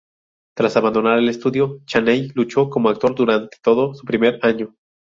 Tras abandonar el estudio, Chaney luchó como actor durante todo su primer año.